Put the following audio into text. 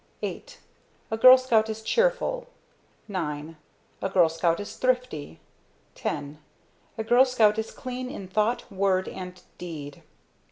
VIII A Girl Scout is Cheerful. IX A Girl Scout is Thrifty. X A Girl Scout is Clean in Thought, Word and Deed.